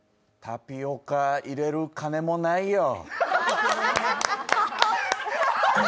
タピオカ入れる金もないよ。